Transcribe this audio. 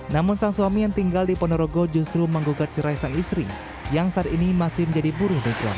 namun sang suami yang tinggal di ponorogo justru menggugat cerai sang istri yang saat ini masih menjadi buruh migran